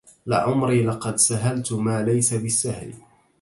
لعمري لقد سهلت ما ليس بالسهل